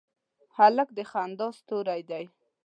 هلک د خندا ستوری دی.